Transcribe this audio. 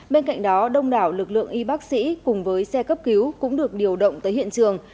bên cạnh đó đông đảo lực lượng y bác sĩ cùng với xe cấp cứu cũng được điều động tới hiện trường